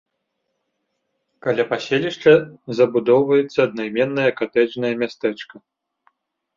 Каля паселішча забудоўваецца аднайменнае катэджнае мястэчка.